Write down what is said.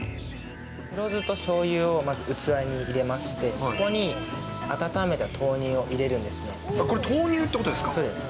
黒酢としょうゆをまず器に入れまして、そこに温めた豆乳を入これ、そうです。